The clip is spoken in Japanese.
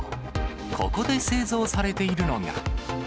ここで製造されているのが。